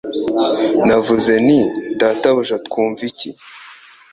Navuze nti Databuja twumva iki